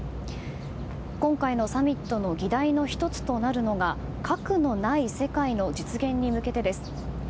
今回のサミットの議題の１つとなるのが核のない世界の実現に向けてです。